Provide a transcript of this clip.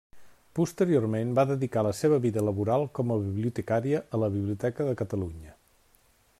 Posteriorment, va dedicar la seva vida laboral com a bibliotecària a la Biblioteca de Catalunya.